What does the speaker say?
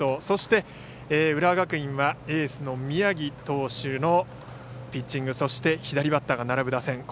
そして、浦和学院はエースの宮城投手のピッチングそして、左バッターが並ぶ打線。